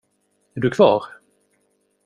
Är du kvar?